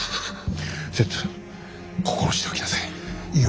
せつ心しておきなさい。